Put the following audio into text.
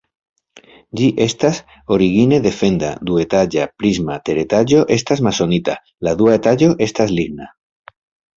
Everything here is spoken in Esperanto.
Ĝi estas origine defenda, duetaĝa, prisma, teretaĝo estas masonita, la dua etaĝo estas ligna.